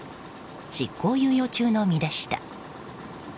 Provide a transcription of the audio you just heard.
執行猶予中の身でした。